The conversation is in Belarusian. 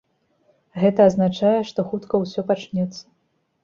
Гэта азначае, што хутка ўсё пачнецца.